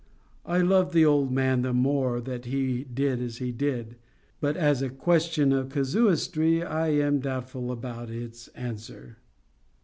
I loved the old man the more that he did as he did. But as a question of casuistry, I am doubtful about its answer.